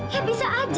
ya bisa aja